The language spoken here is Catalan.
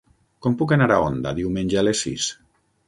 Com puc anar a Onda diumenge a les sis?